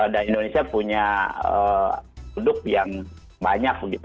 dan indonesia punya produk yang banyak begitu